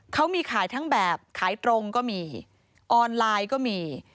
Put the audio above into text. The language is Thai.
เขามีขายทั้งแบบขายตรงก็มีออนไลน์ก็มี